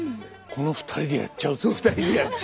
この２人でやっちゃう。